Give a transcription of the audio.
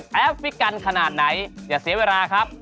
ตามแอฟผู้ชมห้องน้ำด้านนอกกันเลยดีกว่าครับ